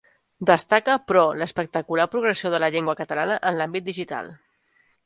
Destaca, però, l'espectacular progressió de la llengua catalana en l'àmbit digital.